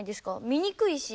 見にくいし。